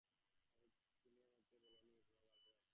তুমি আমাকে বলোনি তোমার গার্লফ্রেন্ড আছে।